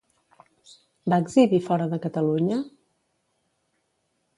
Va exhibir fora de Catalunya?